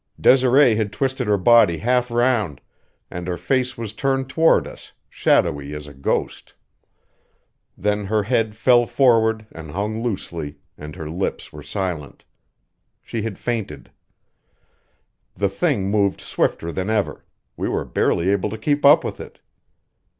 Desiree had twisted her body half round, and her face was turned toward us, shadowy as a ghost. Then her head fell forward and hung loosely and her lips were silent. She had fainted. The thing moved swifter than ever; we were barely able to keep up with it.